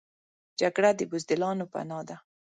جګړه د بزدلانو پناه ده